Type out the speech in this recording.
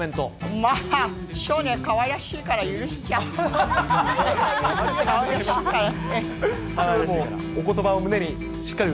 まあ、そうね、かわいらしいから許しちゃおう。